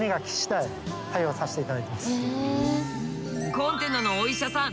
コンテナのお医者さん